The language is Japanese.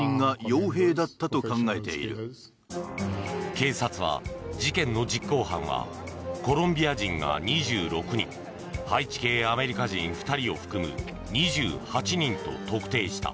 警察は、事件の実行犯はコロンビア人が２６人ハイチ系アメリカ人２人を含む２８人と特定した。